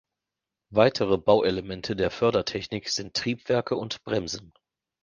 Weitere Bauelemente der Fördertechnik sind Triebwerke und Bremsen.